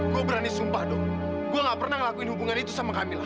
gue berani sumpah dok gue nggak pernah ngelakuin hubungan itu sama kamilah